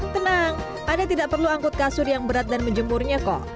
tenang ada tidak perlu angkut kasur yang berat dan menjemurnya kok